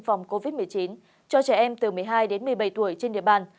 phòng covid một mươi chín cho trẻ em từ một mươi hai đến một mươi bảy tuổi trên địa bàn